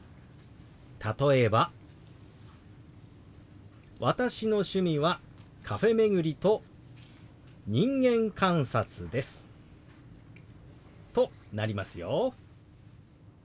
例えば「私の趣味はカフェ巡りと人間観察です」となりますよ。